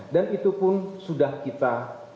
dan itu pun sudah kita